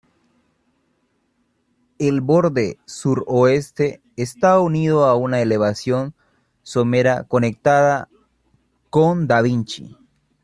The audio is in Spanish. El borde suroeste está unido a una elevación somera conectada con da Vinci.